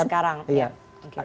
pemilihan yang sekarang